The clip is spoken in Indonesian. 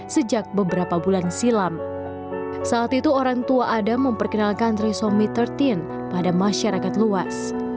sejak beberapa bulan silam saat itu orang tua adam memperkenalkan trisomi tiga belas pada masyarakat luas